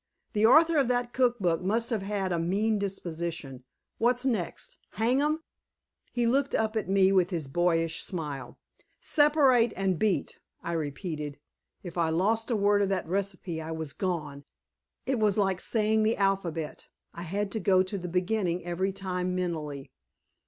"The author of that cook book must have had a mean disposition. What's next? Hang them?" He looked up at me with his boyish smile. "Separate and beat," I repeated. If I lost a word of that recipe I was gone. It was like saying the alphabet; I had to go to the beginning every time mentally.